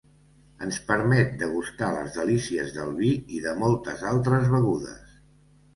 Ens permet degustar les delícies del vi i de moltes altres begudes.